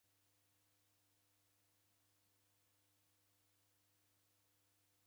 Kodi ra simu ra mkonunyi rechurilwa.